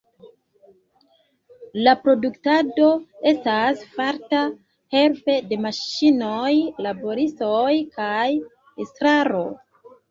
La produktado estas farita helpe de maŝinoj, laboristoj kaj estraro.